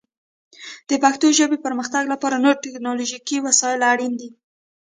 د پښتو ژبې پرمختګ لپاره نور ټکنالوژیکي وسایل اړین دي.